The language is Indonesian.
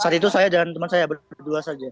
saat itu saya dan teman saya berdua saja